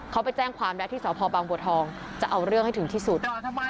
เขาไปแจ้งความแล้วที่สพบางบัวทองจะเอาเรื่องให้ถึงที่สุด